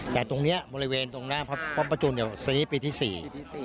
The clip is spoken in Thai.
แต่ตรงนี้บริเวณตรงหน้าป้อมพระจุลนี่ปีที่๔